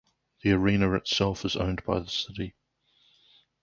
The arena itself is owned by the city.